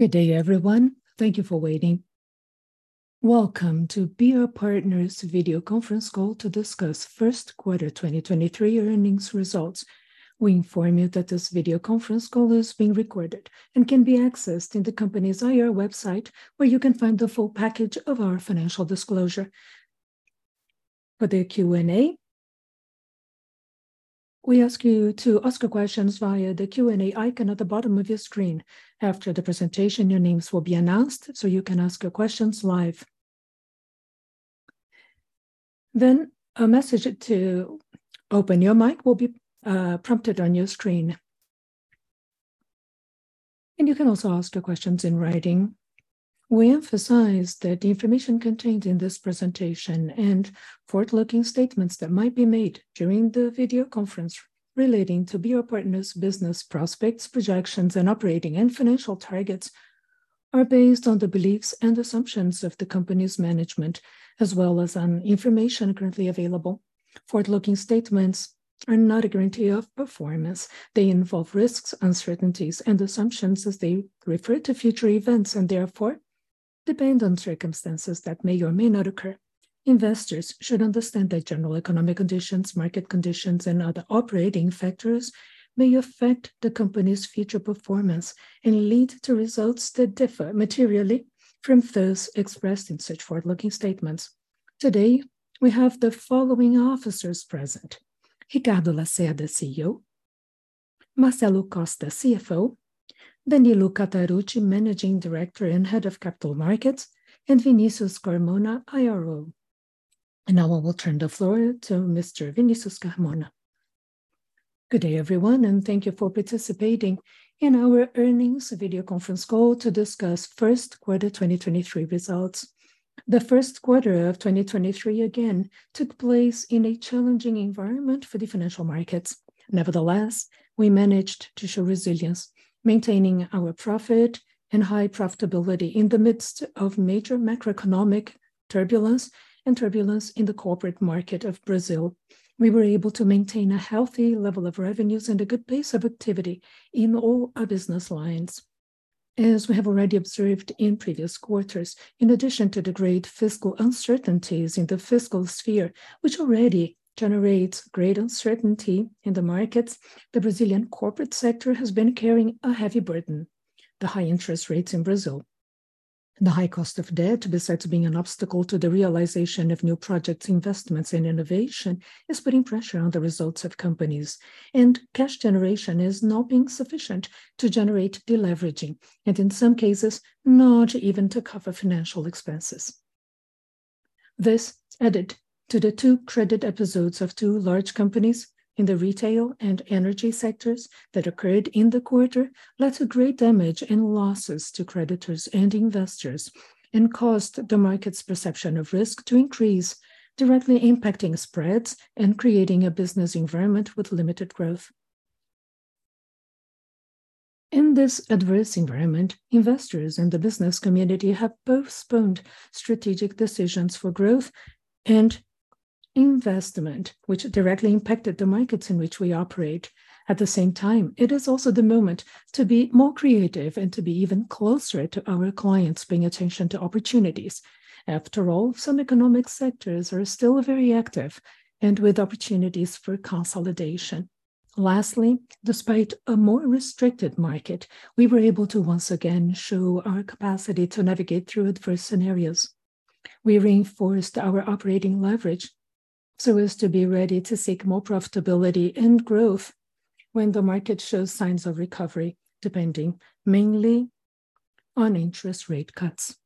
Good day, everyone. Thank you for waiting. Welcome to BR Partners' video conference call to discuss first quarter 2023 earnings results. We inform you that this video conference call is being recorded and can be accessed in the company's IR website, where you can find the full package of our financial disclosure. For the Q&A, we ask you to ask your questions via the Q&A icon at the bottom of your screen. After the presentation, your names will be announced. You can ask your questions live. A message to open your mic will be prompted on your screen. You can also ask your questions in writing. We emphasize that the information contained in this presentation and forward-looking statements that might be made during the video conference relating to BR Partners' business prospects, projections, and operating and financial targets are based on the beliefs and assumptions of the company's management, as well as on information currently available. Forward-looking statements are not a guarantee of performance. They involve risks, uncertainties and assumptions as they refer to future events, and therefore depend on circumstances that may or may not occur. Investors should understand that general economic conditions, market conditions and other operating factors may affect the company's future performance and lead to results that differ materially from those expressed in such forward-looking statements. Today, we have the following officers present: Ricardo Lacerda, CEO, Marcelo Costa, CFO, Danilo Catarucci, Managing Director and Head of Capital Markets, and Vinicius Carmona, IRO. Now I will turn the floor to Mr. Good day, everyone, and thank you for participating in our earnings video conference call to discuss first quarter 2023 results. The first quarter of 2023 again took place in a challenging environment for the financial markets. Nevertheless, we managed to show resilience, maintaining our profit and high profitability in the midst of major macroeconomic turbulence and turbulence in the corporate market of Brazil. We were able to maintain a healthy level of revenues and a good pace of activity in all our business lines. As we have already observed in previous quarters, in addition to the great fiscal uncertainties in the fiscal sphere, which already generates great uncertainty in the markets, the Brazilian corporate sector has been carrying a heavy burden. The high interest rates in Brazil and the high cost of debt, besides being an obstacle to the realization of new projects, investments and innovation, is putting pressure on the results of companies. Cash generation is not being sufficient to generate deleveraging and, in some cases, not even to cover financial expenses. This, added to the two credit episodes of two large companies in the retail and energy sectors that occurred in the quarter, led to great damage and losses to creditors and investors and caused the market's perception of risk to increase, directly impacting spreads and creating a business environment with limited growth. In this adverse environment, investors and the business community have both spurned strategic decisions for growth and investment, which directly impacted the markets in which we operate. At the same time, it is also the moment to be more creative and to be even closer to our clients, paying attention to opportunities. After all, some economic sectors are still very active and with opportunities for consolidation. Lastly, despite a more restricted market, we were able to once again show our capacity to navigate through adverse scenarios. We reinforced our operating leverage so as to be ready to seek more profitability and growth when the market shows signs of recovery, depending mainly on interest rate cuts.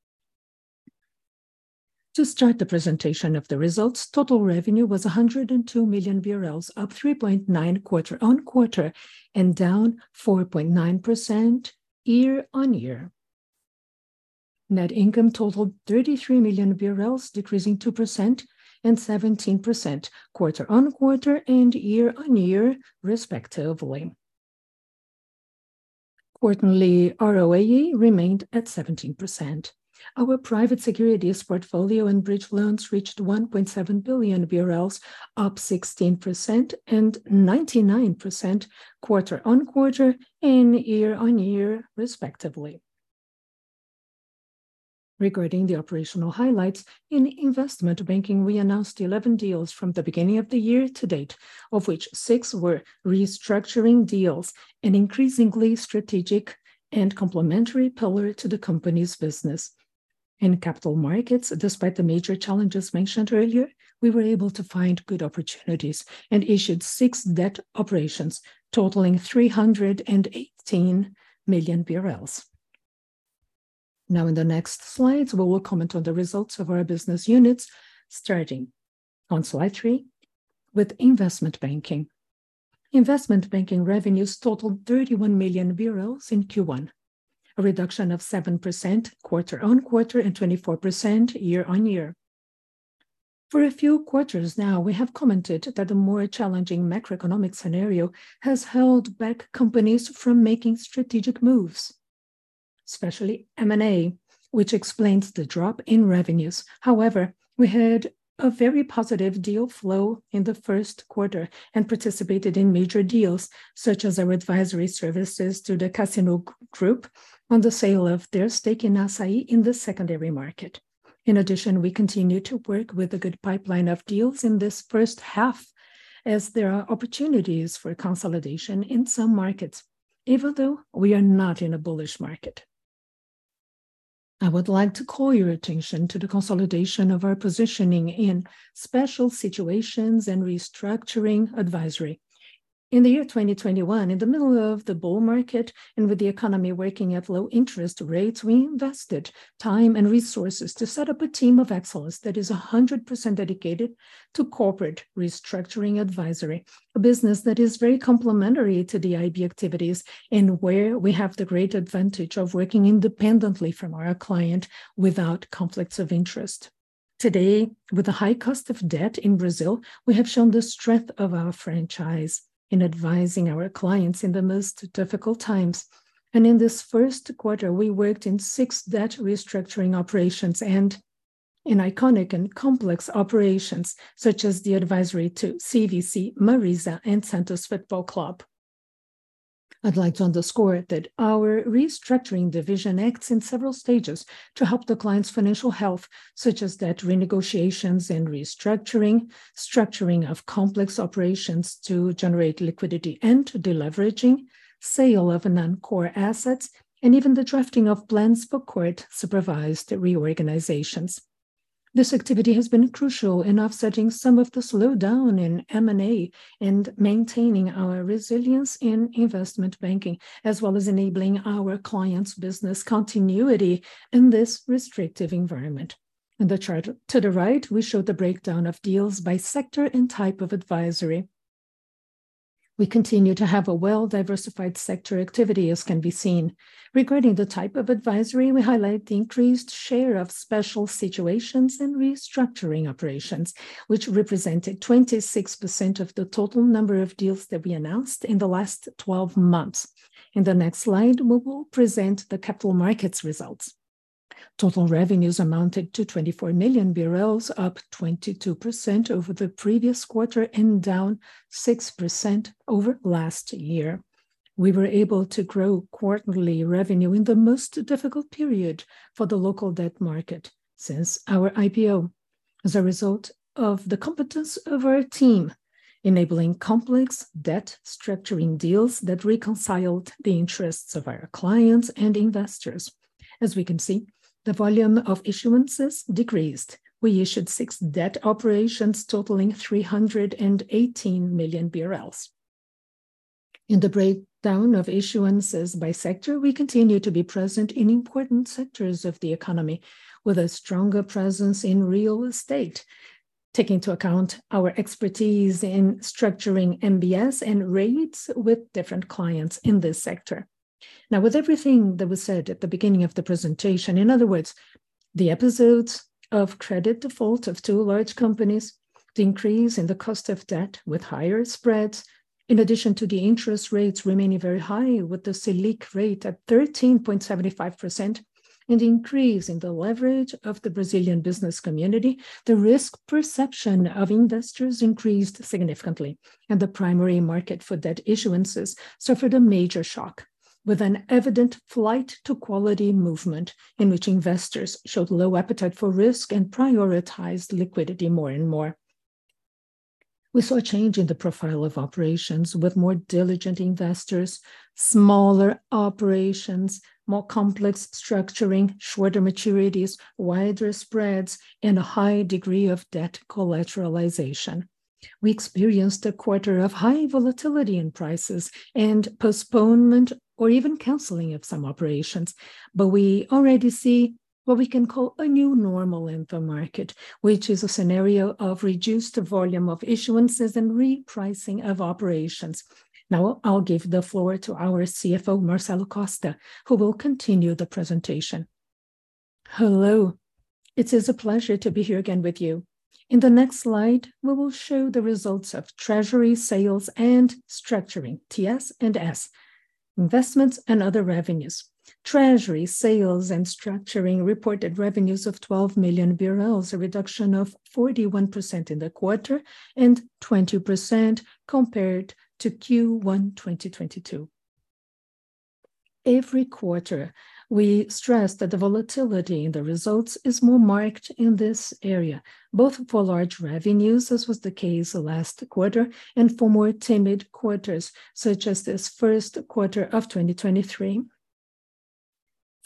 To start the presentation of the results, total revenue was 102 million, up 3.9% quarter-on-quarter and down 4.9% year-on-year. Net income totaled 33 million, decreasing 2% and 17% quarter-on-quarter and year-on-year, respectively. Quarterly ROAE remained at 17%. Our Private Securities Portfolio and bridge loans reached 1.7 billion, up 16% and 99% quarter-on-quarter and year-on-year, respectively. Regarding the operational highlights, in investment banking, we announced 11 deals from the beginning of the year to date, of which six were restructuring deals, an increasingly strategic and complementary pillar to the company's business. In capital markets, despite the major challenges mentioned earlier, we were able to find good opportunities and issued six debt operations totaling 318 million BRL. Now, in the next slides, we will comment on the results of our business units, starting on slide three with investment banking. Investment banking revenues totaled BRL 31 million in Q1, a reduction of 7% quarter-on-quarter and 24% year-on-year. For a few quarters now, we have commented that the more challenging macroeconomic scenario has held back companies from making strategic moves, especially M&A.Which explains the drop in revenues. However, we had a very positive deal flow in the first quarter and participated in major deals, such as our advisory services to the Casino Group on the sale of their stake in Assaí in the secondary market. In addition, we continue to work with a good pipeline of deals in this first half, as there are opportunities for consolidation in some markets even though we are not in a bullish market. I would like to call your attention to the consolidation of our positioning in special situations and restructuring advisory. In the year 2021, in the middle of the bull market and with the economy working at low interest rates, we invested time and resources to set up a team of excellence that is 100% dedicated to corporate restructuring advisory, a business that is very complementary to the IB activities and where we have the great advantage of working independently from our client without conflicts of interest. Today, with the high cost of debt in Brazil, we have shown the strength of our franchise in advising our clients in the most difficult times. In this first quarter, we worked in six debt restructuring operations and in iconic and complex operations such as the advisory to CVC, Marisa, and Santos Futebol Clube. I'd like to underscore that our restructuring division acts in several stages to help the client's financial health, such as debt renegotiations and restructuring, structuring of complex operations to generate liquidity and de-leveraging, sale of non-core assets, and even the drafting of plans for court-supervised reorganizations. This activity has been crucial in offsetting some of the slowdown in M&A and maintaining our resilience in investment banking, as well as enabling our clients' business continuity in this restrictive environment. In the chart to the right, we show the breakdown of deals by sector and type of advisory. We continue to have a well-diversified sector activity, as can be seen. Regarding the type of advisory, we highlight the increased share of special situations and restructuring operations, which represented 26% of the total number of deals that we announced in the last 12 months. In the next slide, we will present the capital markets results. Total revenues amounted to 24 million BRL, up 22% over the previous quarter and down 6% over last year. We were able to grow quarterly revenue in the most difficult period for the local debt market since our IPO as a result of the competence of our team, enabling complex debt structuring deals that reconciled the interests of our clients and investors. As we can see, the volume of issuances decreased. We issued six debt operations totaling 318 million BRL. In the breakdown of issuances by sector, we continue to be present in important sectors of the economy with a stronger presence in real estate, taking into account our expertise in structuring MBS and rates with different clients in this sector. Now, with everything that was said at the beginning of the presentation, in other words, the episodes of credit default of two large companies, the increase in the cost of debt with higher spreads, in addition to the interest rates remaining very high with the Selic rate at 13.75%, and increase in the leverage of the Brazilian business community, the risk perception of investors increased significantly. The primary market for debt issuances suffered a major shock with an evident flight-to-quality movement in which investors showed low appetite for risk and prioritized liquidity more and more. We saw a change in the profile of operations with more diligent investors, smaller operations, more complex structuring, shorter maturities, wider spreads, and a high degree of debt collateralization. We experienced a quarter of high volatility in prices and postponement or even canceling of some operations. We already see what we can call a new normal in the market, which is a scenario of reduced volume of issuances and repricing of operations. Now I'll give the floor to our CFO, Marcelo Costa, who will continue the presentation. Hello. It is a pleasure to be here again with you. In the next slide, we will show the results of treasury, sales, and structuring, TS&S, investments and other revenues. Treasury, sales, and structuring reported revenues of 12 million BRL, a reduction of 41% in the quarter and 20% compared to Q1 2022. Every quarter, we stress that the volatility in the results is more marked in this area, both for large revenues, as was the case last quarter, and for more timid quarters, such as this first quarter of 2023.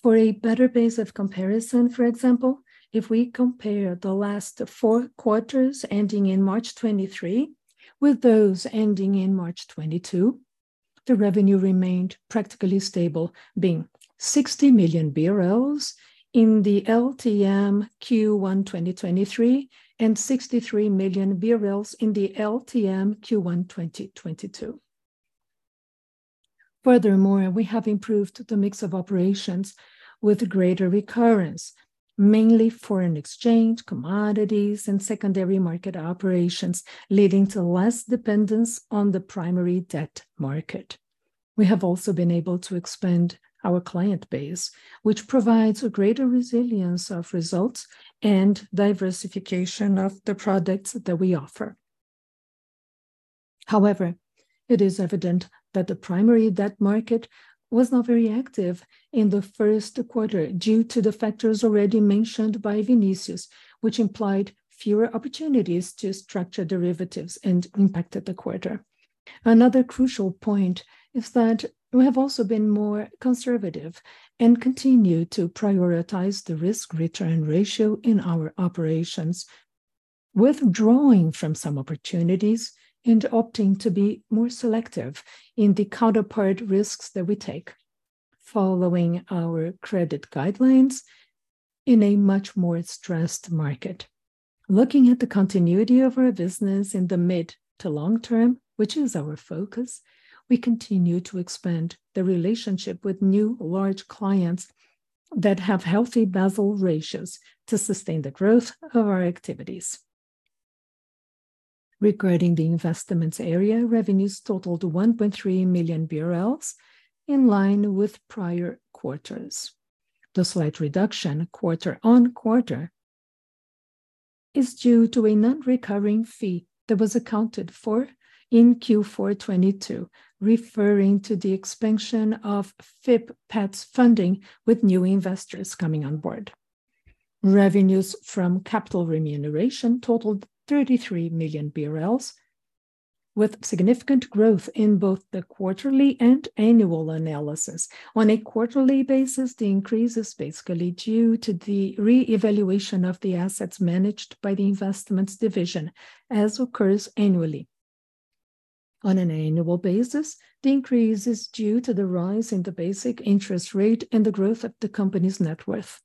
For a better base of comparison, for example, if we compare the last four quarters ending in March 2023 with those ending in March 2022, the revenue remained practically stable, being 60 million BRL in the LTM Q1 2023 and 63 million in the LTM Q1 2022. Furthermore, we have improved the mix of operations with greater recurrence, mainly foreign exchange, commodities, and secondary market operations, leading to less dependence on the primary debt market. We have also been able to expand our client base, which provides a greater resilience of results and diversification of the products that we offer. However, it is evident that the primary debt market was not very active in the first quarter due to the factors already mentioned by Vinicius, which implied fewer opportunities to structure Derivatives and impacted the quarter. Another crucial point is that we have also been more conservative and continue to prioritize the risk-return ratio in our operations, withdrawing from some opportunities and opting to be more selective in the counterpart risks that we take following our credit guidelines in a much more stressed market. Looking at the continuity of our business in the mid to long term, which is our focus, we continue to expand the relationship with new large clients that have healthy Basel ratios to sustain the growth of our activities. Regarding the investments area, revenues totaled 1.3 million BRL, in line with prior quarters. The slight reduction quarter-on-quarter is due to a non-recurring fee that was accounted for in Q4 2022, referring to the expansion of FIP Pet's funding with new investors coming on board. Revenues from capital remuneration totaled 33 million BRL, with significant growth in both the quarterly and annual analysis. On a quarterly basis, the increase is basically due to the reevaluation of the assets managed by the investments division, as occurs annually. On an annual basis, the increase is due to the rise in the basic interest rate and the growth of the company's net worth.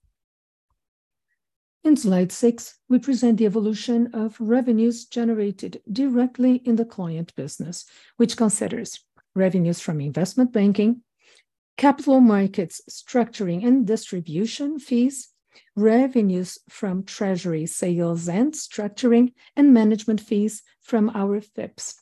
In slide six, we present the evolution of revenues generated directly in the client business, which considers revenues from investment banking, capital markets structuring and distribution fees, revenues from Treasury Sales & Structuring, and management fees from our FIPS.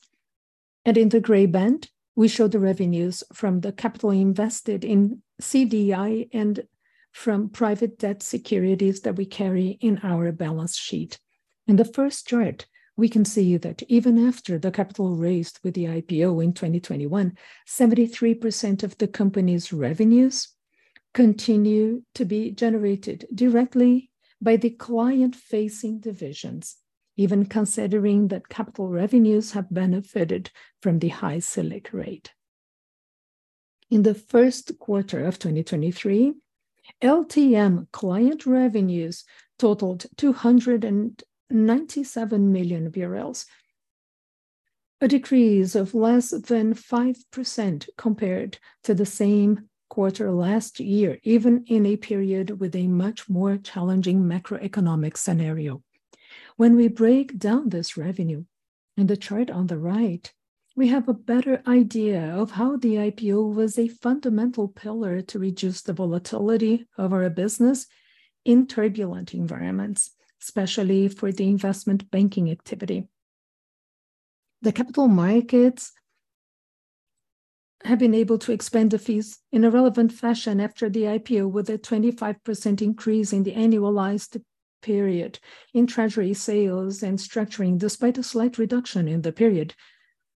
In the gray band, we show the revenues from the capital invested in CDI and from private debt securities that we carry in our balance sheet. In the 1st chart, we can see that even after the capital raised with the IPO in 2021, 73% of the company's revenues continue to be generated directly by the client-facing divisions, even considering that capital revenues have benefited from the high Selic rate. In the 1st quarter of 2023, LTM client revenues totaled BRL 297 million, a decrease of less than 5% compared to the same quarter last year, even in a period with a much more challenging macroeconomic scenario. When we break down this revenue in the chart on the right, we have a better idea of how the IPO was a fundamental pillar to reduce the volatility of our business in turbulent environments, especially for the investment banking activity. The capital markets have been able to expand the fees in a relevant fashion after the IPO, with a 25% increase in the annualized period in Treasury Sales and Structuring, despite a slight reduction in the period,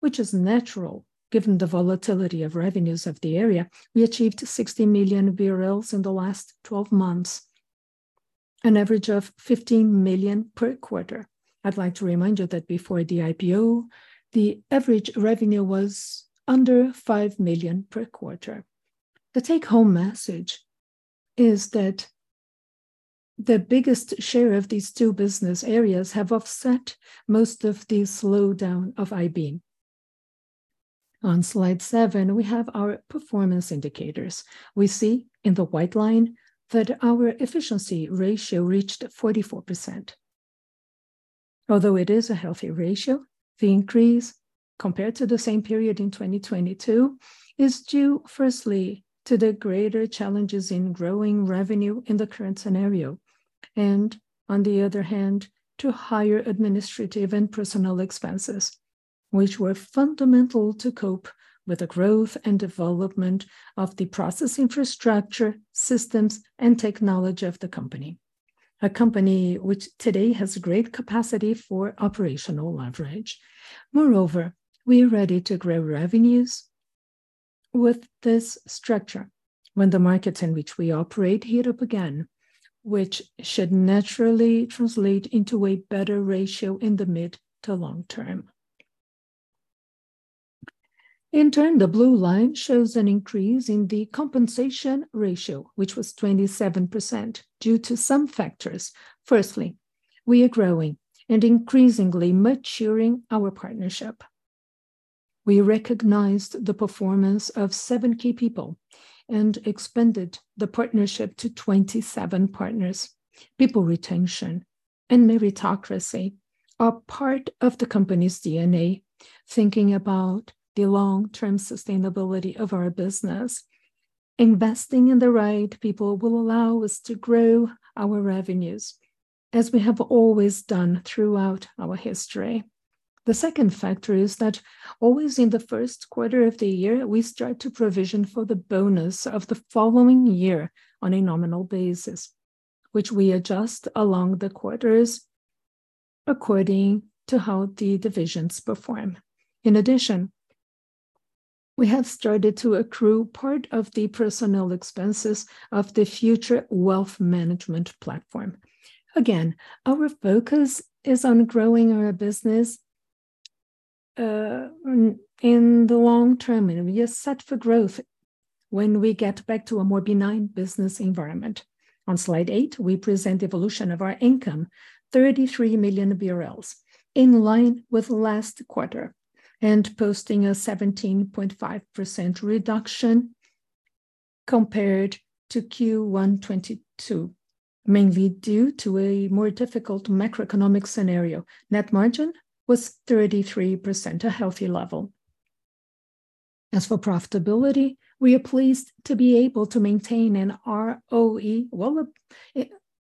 which is natural given the volatility of revenues of the area. We achieved 60 million in the last twelve months, an average of 15 million per quarter. I'd like to remind you that before the IPO, the average revenue was under 5 million per quarter. The take-home message is that the biggest share of these two business areas have offset most of the slowdown of IB. On slide seven, we have our performance indicators. We see in the white line that our efficiency ratio reached 44%. Although it is a healthy ratio, the increase compared to the same period in 2022 is due firstly to the greater challenges in growing revenue in the current scenario and, on the other hand, to higher administrative and personnel expenses, which were fundamental to cope with the growth and development of the process infrastructure, systems, and technology of the company, a company which today has great capacity for operational leverage. We are ready to grow revenues with this structure when the markets in which we operate heat up again, which should naturally translate into a better ratio in the mid to long term. The blue line shows an increase in the compensation ratio, which was 27%, due to some factors. We are growing and increasingly maturing our partnership. We recognized the performance of 7 key people and expanded the partnership to 27 partners. People retention and meritocracy are part of the company's DNA, thinking about the long-term sustainability of our business. Investing in the right people will allow us to grow our revenues as we have always done throughout our history. The second factor is that always in the first quarter of the year, we start to provision for the bonus of the following year on a nominal basis, which we adjust along the quarters according to how the divisions perform. We have started to accrue part of the personnel expenses of the future wealth management platform. Our focus is on growing our business in the long term, and we are set for growth when we get back to a more benign business environment. On slide eight, we present evolution of our income, 33 million BRL, in line with last quarter, and posting a 17.5% reduction compared to Q1 2022, mainly due to a more difficult macroeconomic scenario. Net margin was 33%, a healthy level. As for profitability, we are pleased to be able to maintain an ROE well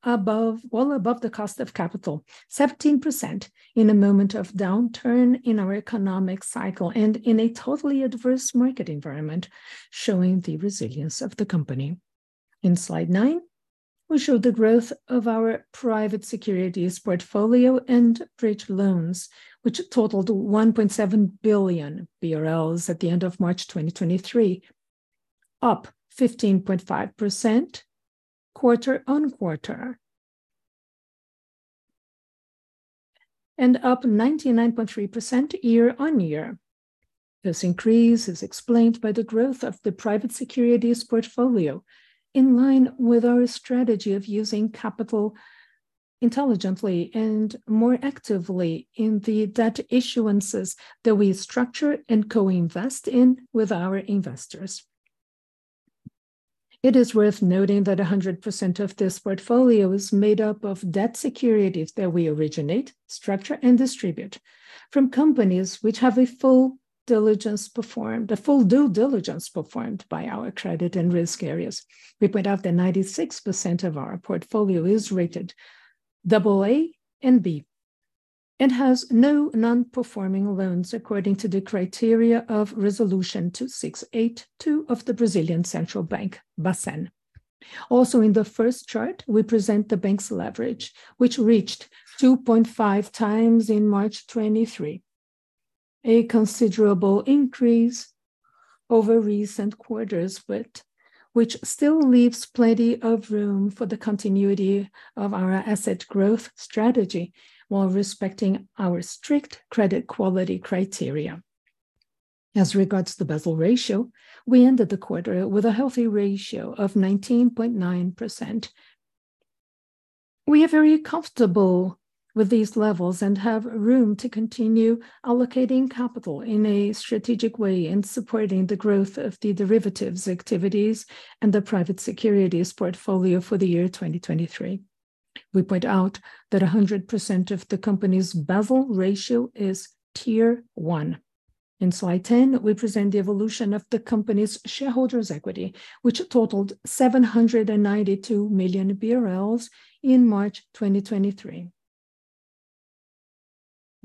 above the cost of capital. 17% in a moment of downturn in our economic cycle and in a totally adverse market environment, showing the resilience of the company. In slide nine, we show the growth of our Private Securities Portfolio and bridge loans, which totaled 1.7 billion BRL at the end of March 2023, up 15.5% quarter-on-quarter and up 99.3% year-on-year. This increase is explained by the growth of the Private Securities Portfolio in line with our strategy of using capital intelligently and more actively in the debt issuances that we structure and co-invest in with our investors. It is worth noting that 100% of this portfolio is made up of debt securities that we originate, structure, and distribute from companies which have a full due diligence performed by our credit and risk areas. We point out that 96% of our portfolio is rated AA and B and has no non-performing loans according to the criteria of Resolution 2.682 of the Brazilian Central Bank, BACEN. In the first chart, we present the bank's leverage, which reached 2.5x in March 2023, a considerable increase over recent quarters, but which still leaves plenty of room for the continuity of our asset growth strategy while respecting our strict credit quality criteria. As regards to the Basel ratio, we ended the quarter with a healthy ratio of 19.9%. We are very comfortable with these levels and have room to continue allocating capital in a strategic way and supporting the growth of the Derivatives activities and the Private Securities Portfolio for the year 2023. We point out that 100% of the company's Basel ratio is Tier one. In slide 10, we present the evolution of the company's shareholders' equity, which totaled 792 million BRL in March 2023.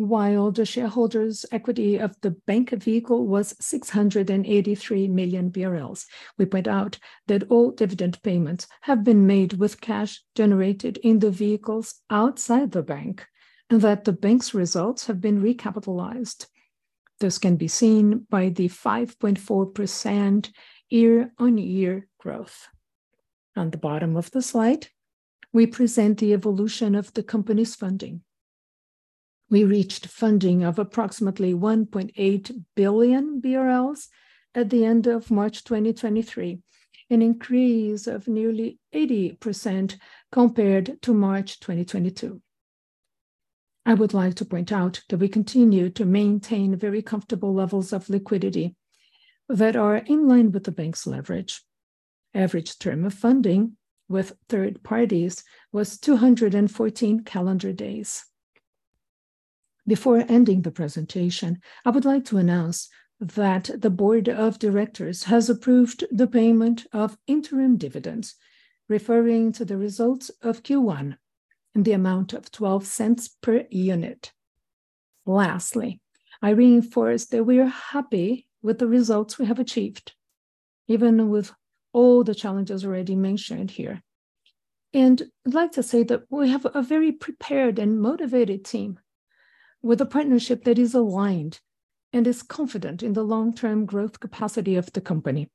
While the shareholders' equity of the bank vehicle was 683 million BRL. We point out that all dividend payments have been made with cash generated in the vehicles outside the bank, and that the bank's results have been recapitalized. This can be seen by the 5.4% year-over-year growth. On the bottom of the slide, we present the evolution of the company's funding. We reached funding of approximately 1.8 billion BRL at the end of March 2023, an increase of nearly 80% compared to March 2022. I would like to point out that we continue to maintain very comfortable levels of liquidity that are in line with the bank's leverage. Average term of funding with third parties was 214 calendar days. Before ending the presentation, I would like to announce that the board of directors has approved the payment of interim dividends, referring to the results of Q1 in the amount of 0.12 per unit. Lastly, I reinforce that we are happy with the results we have achieved, even with all the challenges already mentioned here. I'd like to say that we have a very prepared and motivated team with a partnership that is aligned and is confident in the long-term growth capacity of the company.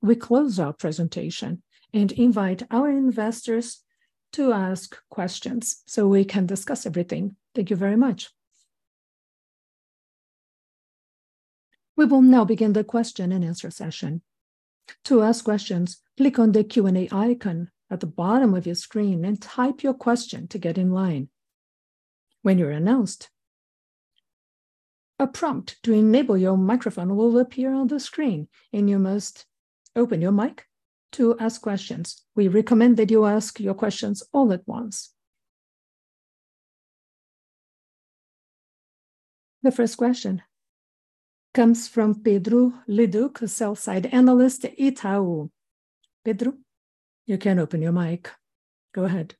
We close our presentation and invite our investors to ask questions so we can discuss everything. Thank you very much. We will now begin the question and answer session. To ask questions, click on the Q&A icon at the bottom of your screen and type your question to get in line. When you're announced, a prompt to enable your microphone will appear on the screen, and you must open your mic to ask questions. We recommend that you ask your questions all at once. The first question comes from Pedro Leduc, Analyst, Itaú. Pedro, you can open your mic. Go ahead.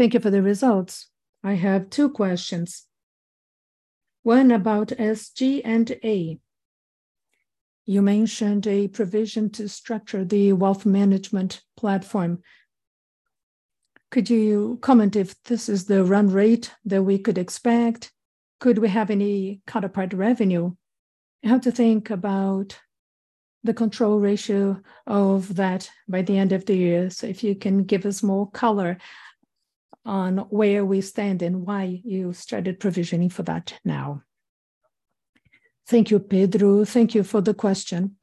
Thank you for the results. I have two questions. One about SG&A. You mentioned a provision to structure the wealth management platform. Could you comment if this is the run rate that we could expect? Could we have any counterpart revenue? I have to think about the control ratio of that by the end of the year. If you can give us more color on where we stand and why you started provisioning for that now. Thank you, Pedro. Thank you for the question.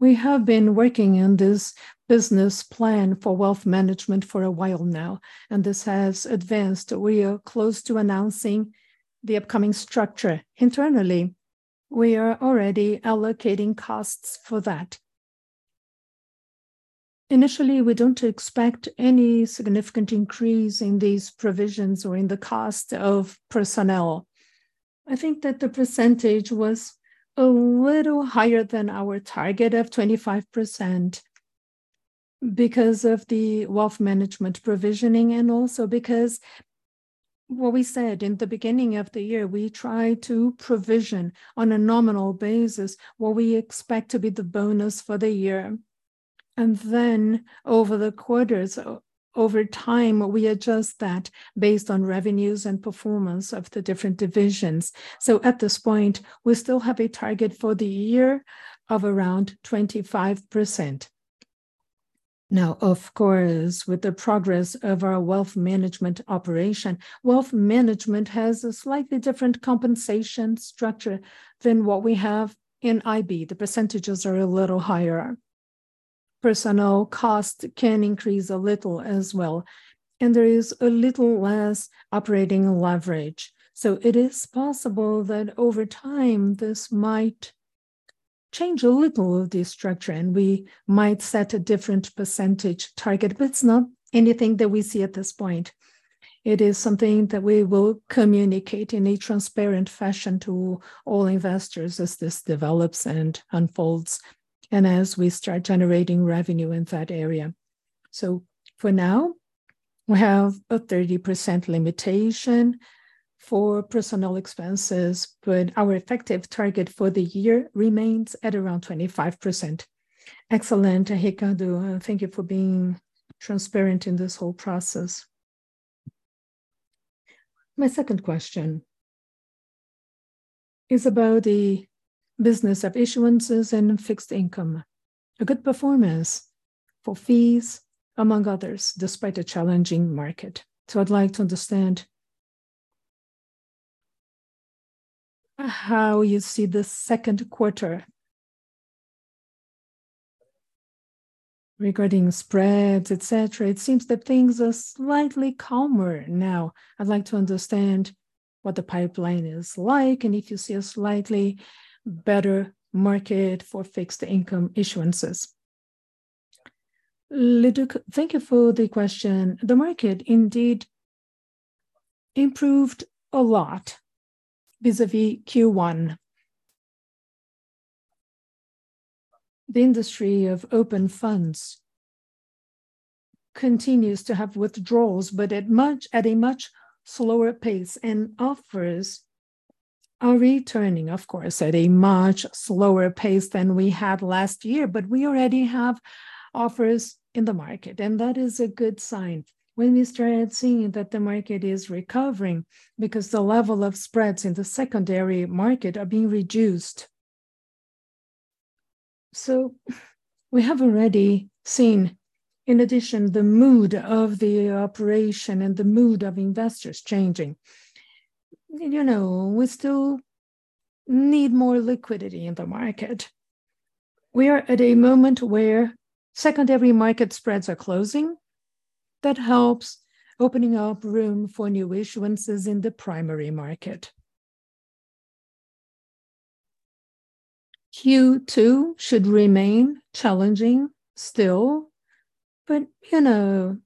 We have been working on this business plan for wealth management for a while now, and this has advanced. We are close to announcing the upcoming structure. Internally, we are already allocating costs for that. Initially, we don't expect any significant increase in these provisions or in the cost of personnel. I think that the percentage was a little higher than our target of 25% because of the wealth management provisioning and also because what we said in the beginning of the year, we try to provision on a nominal basis what we expect to be the bonus for the year. Over the quarters, over time, we adjust that based on revenues and performance of the different divisions. At this point, we still have a target for the year of around 25%. Of course, with the progress of our wealth management operation, wealth management has a slightly different compensation structure than what we have in IB. The percentages are a little higher. Personnel cost can increase a little as well, and there is a little less operating leverage. It is possible that over time, this might change a little, the structure, and we might set a different percentage target, but it's not anything that we see at this point. It is something that we will communicate in a transparent fashion to all investors as this develops and unfolds and as we start generating revenue in that area. For now, we have a 30% limitation for personnel expenses, but our effective target for the year remains at around 25%. Excellent, Ricardo. Thank you for being transparent in this whole process. My second question is about the business of issuances and fixed income. A good performance for fees, among others, despite a challenging market. I'd like to understand how you see the second quarter regarding spreads, et cetera. It seems that things are slightly calmer now. I'd like to understand what the pipeline is like and if you see a slightly better market for fixed income issuances. Leduc, thank you for the question. The market indeed improved a lot vis-à-vis Q1. The industry of open funds continues to have withdrawals, but at a much slower pace, and offers are returning, of course, at a much slower pace than we had last year. We already have offers in the market, and that is a good sign when we start seeing that the market is recovering because the level of spreads in the secondary market are being reduced. We have already seen, in addition, the mood of the operation and the mood of investors changing. You know, we still need more liquidity in the market. We are at a moment where secondary market spreads are closing. That helps opening up room for new issuances in the primary market. Q2 should remain challenging still, but, you know,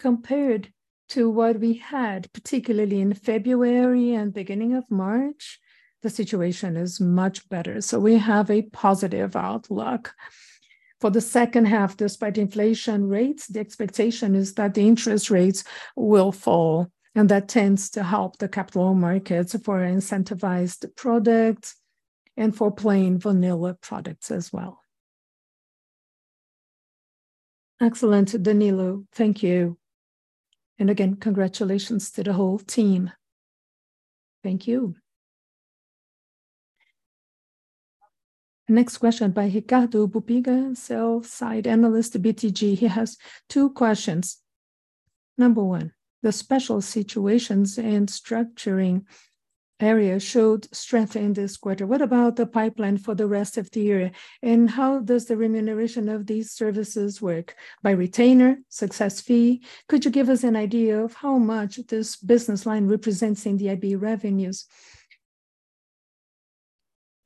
compared to what we had, particularly in February and beginning of March, the situation is much better. We have a positive outlook. For the second half, despite inflation rates, the expectation is that the interest rates will fall, and that tends to help the capital markets for incentivized products and for plain vanilla products as well. Excellent, Danilo. Thank you. Again, congratulations to the whole team. Thank you. Next question by Ricardo Buchpiguel, sell-side analyst, BTG. He has two questions. Number one, the special situations and structuring area showed strength in this quarter. What about the pipeline for the rest of the year? How does the remuneration of these services work? By retainer? Success fee? Could you give us an idea of how much this business line represents in the IB revenues?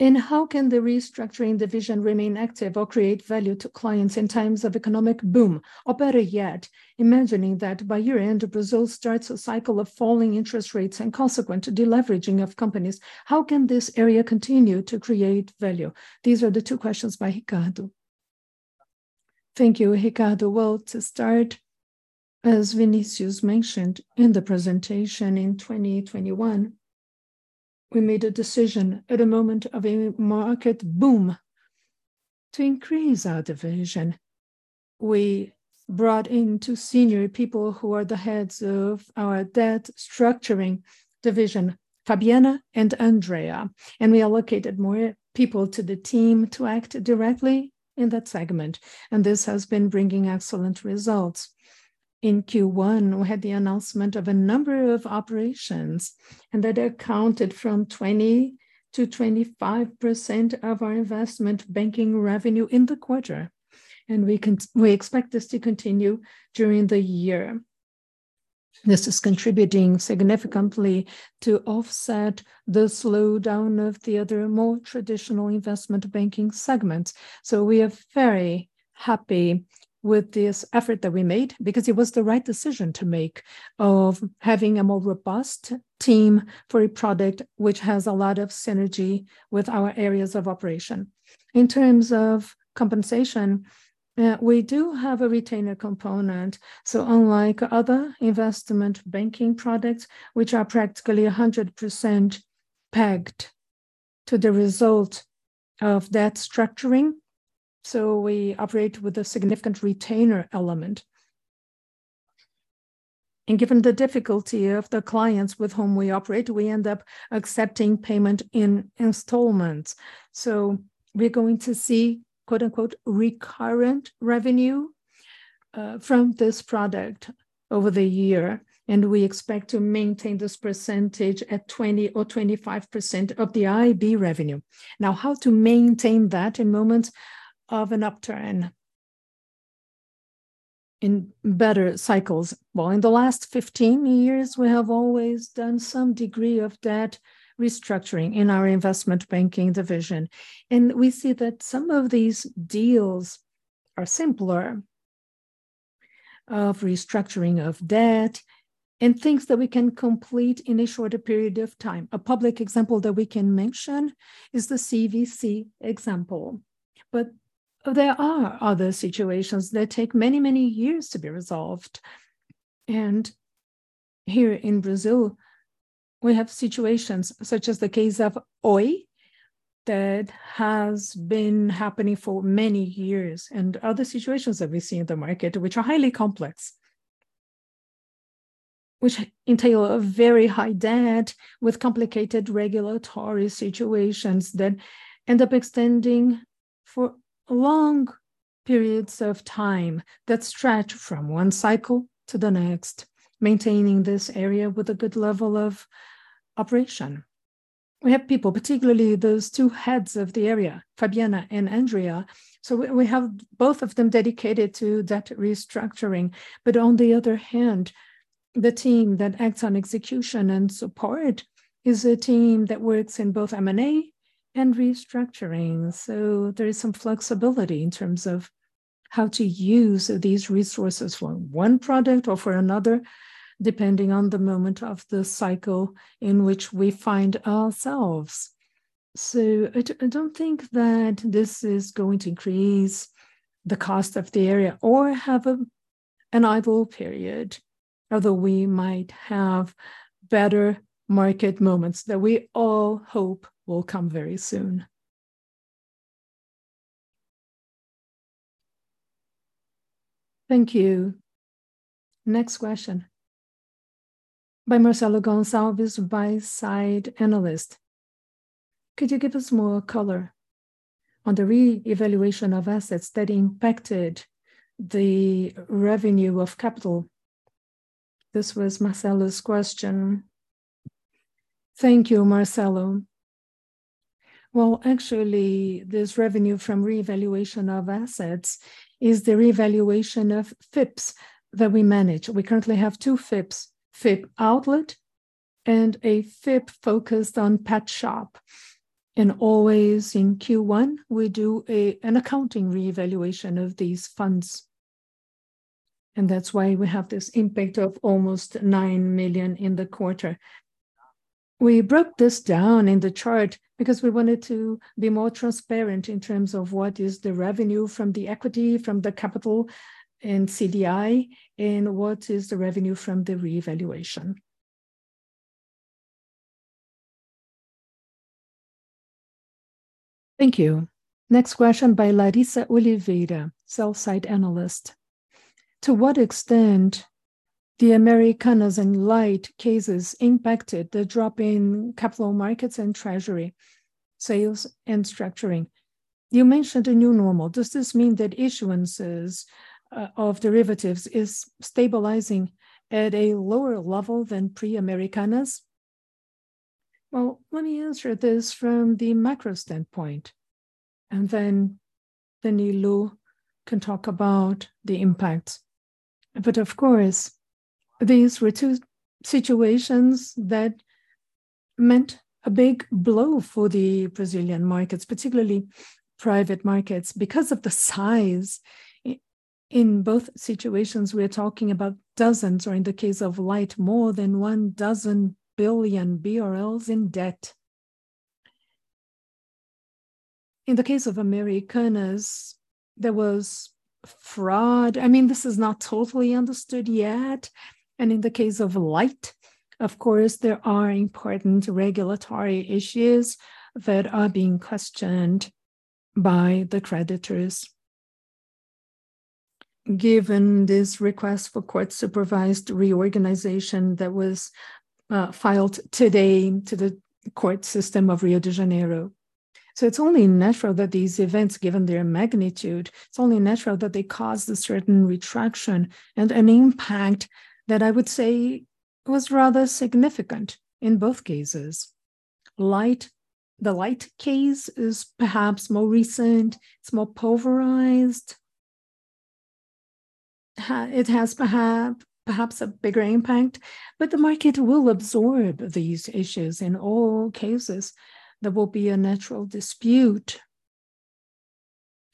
How can the restructuring division remain active or create value to clients in times of economic boom? Better yet, imagining that by year-end, Brazil starts a cycle of falling interest rates and consequent deleveraging of companies, how can this area continue to create value? These are the two questions by Ricardo. Thank you, Ricardo. Well, to start, as Vinicius mentioned in the presentation, in 2021, we made a decision at a moment of a market boom to increase our division. We brought in two senior people who are the heads of our debt structuring division, Fabiana and Andrea, and we allocated more people to the team to act directly in that segment, and this has been bringing excellent results. In Q1, we had the announcement of a number of operations, and that accounted from 20%-25% of our investment banking revenue in the quarter. We expect this to continue during the year. This is contributing significantly to offset the slowdown of the other more traditional investment banking segments. We are very happy with this effort that we made because it was the right decision to make of having a more robust team for a product which has a lot of synergy with our areas of operation. In terms of compensation, we do have a retainer component, unlike other investment banking products, which are practically 100% pegged to the result of that structuring, so we operate with a significant retainer element. Given the difficulty of the clients with whom we operate, we end up accepting payment in installments. We're going to see, quote unquote, "recurrent revenue," from this product over the year, and we expect to maintain this percentage at 20% or 25% of the IB revenue. How to maintain that in moment of an upturn in better cycles? Well, in the last 15 years we have always done some degree of debt restructuring in our investment banking division. We see that some of these deals are simpler of restructuring of debt and things that we can complete in a shorter period of time. A public example that we can mention is the CVC example. There are other situations that take many, many years to be resolved. Here in Brazil, we have situations such as the case of Oi that has been happening for many years, and other situations that we see in the market which are highly complex, which entail a very high debt with complicated regulatory situations that end up extending for long periods of time, that stretch from one cycle to the next, maintaining this area with a good level of operation. We have people, particularly those two heads of the area, Fabiana and Andrea, we have both of them dedicated to debt restructuring. On the other hand, the team that acts on execution and support is a team that works in both M&A and restructuring. There is some flexibility in terms of how to use these resources for one product or for another, depending on the moment of the cycle in which we find ourselves. I don't think that this is going to increase the cost of the area or have an idle period, although we might have better market moments that we all hope will come very soon. Thank you. Next question, by Marcelo Gonçalves, buy-side analyst: Could you give us more color on the reevaluation of assets that impacted the revenue of capital? This was Marcelo's question. Thank you, Marcelo. Actually, this revenue from reevaluation of assets is the reevaluation of FIPS that we manage. We currently have two FIPS: FIP Outlet and a FIP focused on pet shop. Always in Q1, we do an accounting reevaluation of these funds, and that's why we have this impact of almost 9 million in the quarter. We broke this down in the chart because we wanted to be more transparent in terms of what is the revenue from the equity, from the capital and CDI, and what is the revenue from the reevaluation. Thank you. Next question by Larissa Oliveira, sell-side analyst: To what extent the Americanas and Light cases impacted the drop in capital markets and treasury sales and structuring? You mentioned a new normal. Does this mean that issuances of Derivatives is stabilizing at a lower level than pre-Americanas? Well, let me answer this from the macro standpoint, and then Danilo can talk about the impact. Of course, these were two situations that meant a big blow for the Brazilian markets, particularly private markets because of the size. In both situations, we're talking about dozens, or in the case of Light, more than 12 billion BRL in debt. In the case of Americanas, there was fraud. I mean, this is not totally understood yet. In the case of Light, of course, there are important regulatory issues that are being questioned by the creditors. Given this request for court-supervised reorganization that was filed today to the court system of Rio de Janeiro. It's only natural that these events, given their magnitude, it's only natural that they caused a certain retraction and an impact that I would say was rather significant in both cases. The Light case is perhaps more recent. It's more pulverized. It has perhaps a bigger impact, but the market will absorb these issues. In all cases, there will be a natural dispute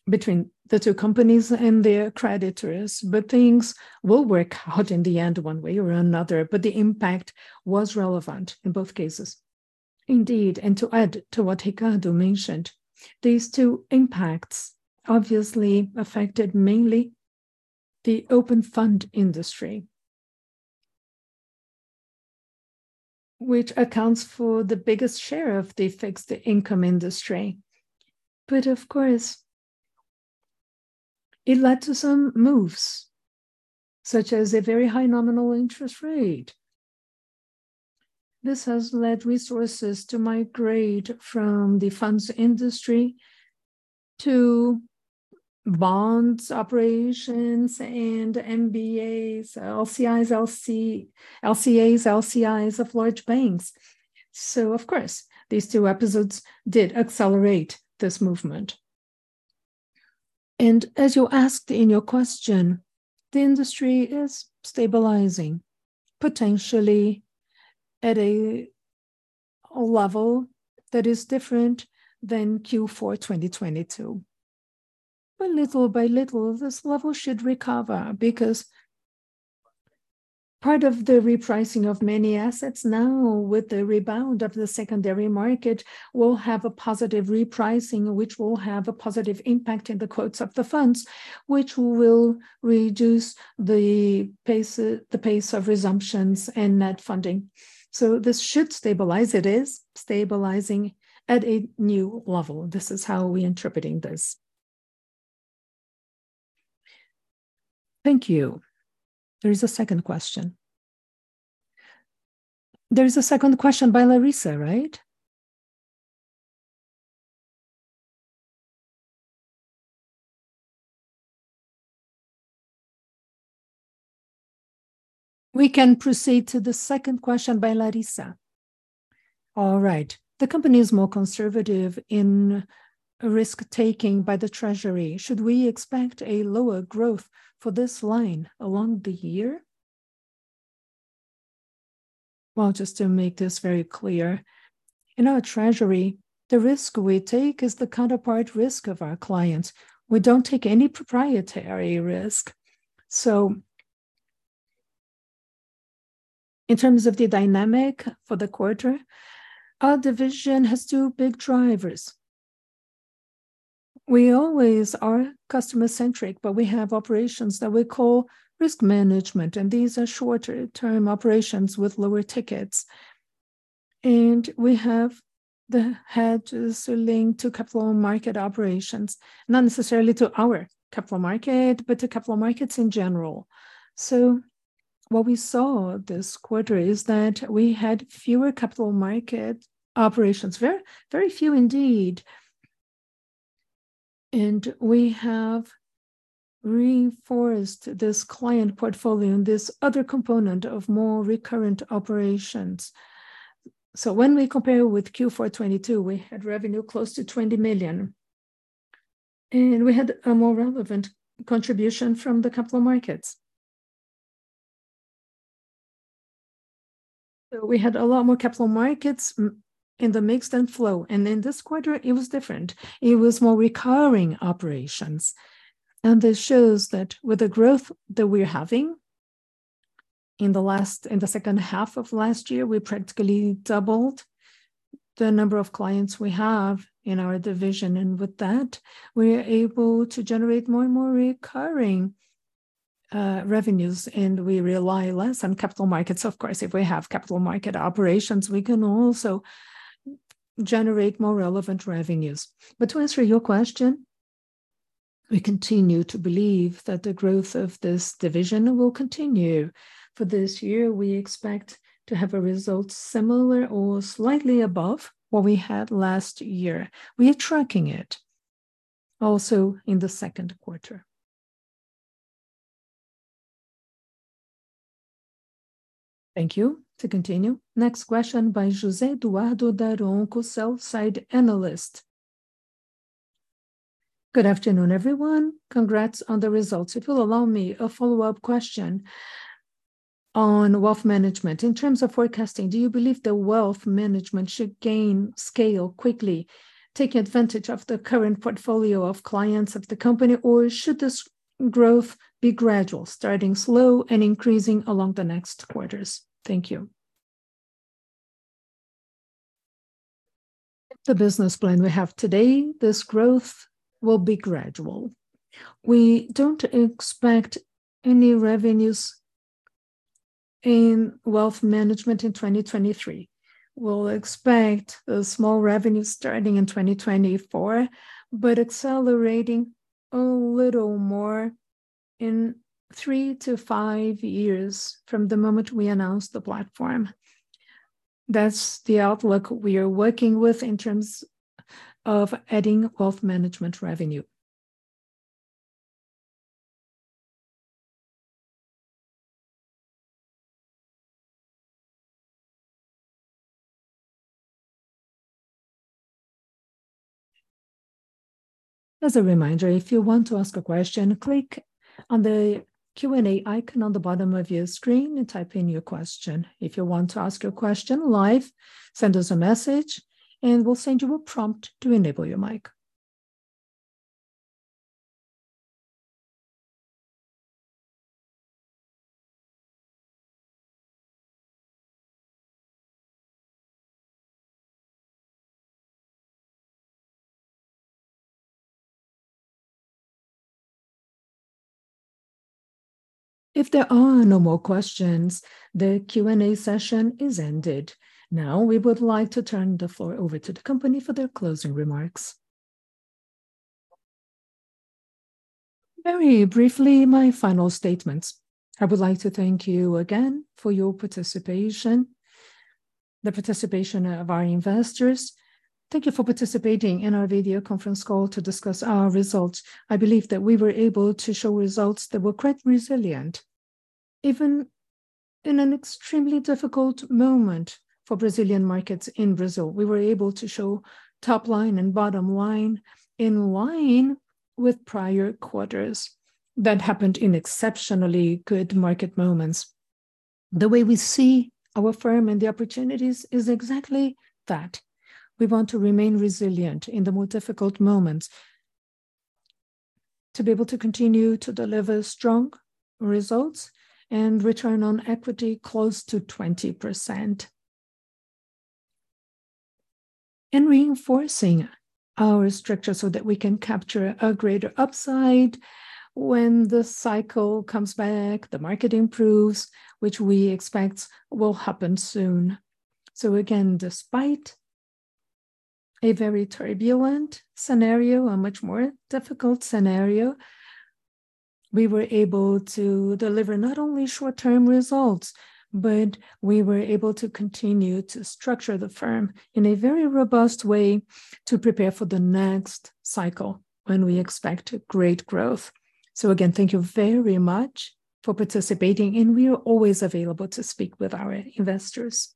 between the two companies and their creditors, but things will work out in the end one way or another. The impact was relevant in both cases. Indeed, to add to what Ricardo mentioned, these two impacts obviously affected mainly the open fund industry, which accounts for the biggest share of the fixed income industry. Of course, it led to some moves, such as a very high nominal interest rate. This has led resources to migrate from the funds industry to bonds operations and MBS, LCIs, LCAs, LCIs of large banks. Of course, these two episodes did accelerate this movement. As you asked in your question, the industry is stabilizing, potentially at a level that is different than Q4 2022. Little by little, this level should recover because part of the repricing of many assets now with the rebound of the secondary market will have a positive repricing, which will have a positive impact in the quotes of the funds, which will reduce the pace, the pace of resumptions and net funding. This should stabilize. It is stabilizing at a new level. This is how we're interpreting this. Thank you. There is a second question. There is a second question by Larissa, right? We can proceed to the second question by Larissa. All right. The company is more conservative in risk-taking by the treasury. Should we expect a lower growth for this line along the year? Just to make this very clear, in our Treasury, the risk we take is the counterpart risk of our clients. We don't take any proprietary risk. In terms of the dynamic for the quarter, our division has two big drivers. We always are customer-centric, but we have operations that we call risk management, and these are shorter-term operations with lower tickets. We have the hedges linked to capital markets operations, not necessarily to our capital markets, but to capital markets in general. What we saw this quarter is that we had fewer capital markets operations. Very, very few indeed. We have reinforced this client portfolio and this other component of more recurrent operations. When we compare with Q4 2022, we had revenue close to 20 million, and we had a more relevant contribution from the capital markets. We had a lot more capital markets in the mix than flow. In this quarter, it was different. It was more recurring operations. This shows that with the growth that we're having, in the second half of last year, we practically doubled the number of clients we have in our division. With that, we are able to generate more and more recurring revenues, and we rely less on capital markets. Of course, if we have capital market operations, we can also generate more relevant revenues. To answer your question, we continue to believe that the growth of this division will continue. For this year, we expect to have a result similar or slightly above what we had last year. We are tracking it also in the second quarter. Thank you. To continue, next question by Jose Eduardo Daronco, sell-side analyst. Good afternoon, everyone. Congrats on the results. If you'll allow me a follow-up question on wealth management. In terms of forecasting, do you believe the wealth management should gain scale quickly, taking advantage of the current portfolio of clients of the company, or should this growth be gradual, starting slow and increasing along the next quarters? Thank you. The business plan we have today, this growth will be gradual. We don't expect any revenues in wealth management in 2023. We'll expect a small revenue starting in 2024, but accelerating a little more in 3 to 5 years from the moment we announce the platform. That's the outlook we are working with in terms of adding wealth management revenue. As a reminder, if you want to ask a question, click on the Q&A icon on the bottom of your screen and type in your question. If you want to ask your question live, send us a message and we'll send you a prompt to enable your mic. If there are no more questions, the Q&A session is ended. We would like to turn the floor over to the company for their closing remarks. Very briefly, my final statements. I would like to thank you again for your participation, the participation of our investors. Thank you for participating in our video conference call to discuss our results. I believe that we were able to show results that were quite resilient, even in an extremely difficult moment for Brazilian markets in Brazil. We were able to show top line and bottom line in line with prior quarters that happened in exceptionally good market moments. The way we see our firm and the opportunities is exactly that. We want to remain resilient in the more difficult moments, to be able to continue to deliver strong results and return on equity close to 20%, reinforcing our structure so that we can capture a greater upside when the cycle comes back, the market improves, which we expect will happen soon. Again, despite a very turbulent scenario, a much more difficult scenario, we were able to deliver not only short-term results, but we were able to continue to structure the firm in a very robust way to prepare for the next cycle when we expect great growth. Again, thank you very much for participating, we are always available to speak with our investors.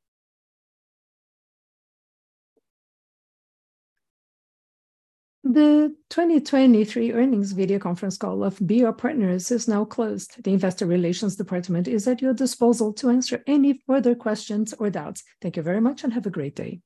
The 2023 earnings video conference call of BR Partners is now closed. The Investor Relations Department is at your disposal to answer any further questions or doubts. Thank you very much and have a great day.